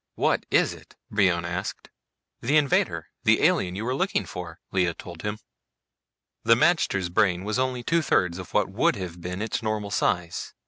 "What is it?" Brion asked. "The invader, the alien you were looking for," Lea told him. The magter's brain was only two thirds of what would have been its normal size.